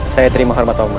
saya terima hormat pamat